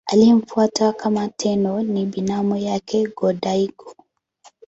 Aliyemfuata kama Tenno ni binamu yake Go-Daigo.